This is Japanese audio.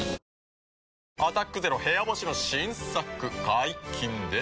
「アタックＺＥＲＯ部屋干し」の新作解禁です。